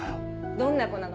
どんな子なの？